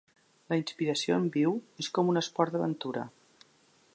La inspiració en viu és com un esport d'aventura.